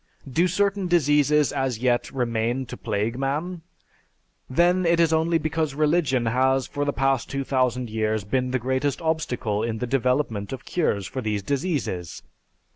Do certain diseases as yet remain to plague man? Then it is only because religion has for the past 2000 years been the greatest obstacle in the development of cures for these diseases.